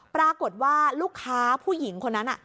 ปรากฏว่าลูกค้าผู้หญิงคนนั้น